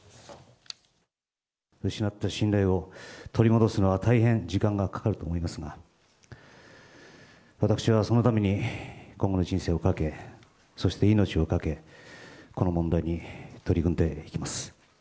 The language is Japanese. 失った信頼を取り戻すのは大変時間がかかると思いますが、私はそのために、今後の人生を懸け、そして命を懸け、この問題に取り組んでいきま